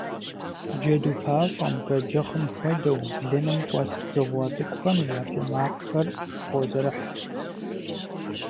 Джэду пащӏэм, бэджыхъым хуэдэу, блыным къуэс дзыгъуэ цӏыкӏухэм я цӏу макъхэр хозэрыхь.